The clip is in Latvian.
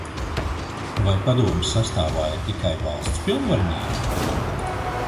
Vai padomes sastāvā ir tikai valsts pilnvarnieki?